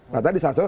nah tadi salah satu